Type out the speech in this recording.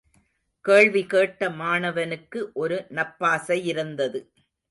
கேள்விகேட்ட மாணவனுக்கு ஒரு நப்பாசையிருந்தது.